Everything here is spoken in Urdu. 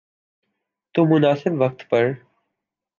تو مناسب وقت پر۔